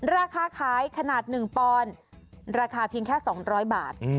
ราคาขายขนาด๑ปอนด์ราคาเพียงแค่๒๐๐บาท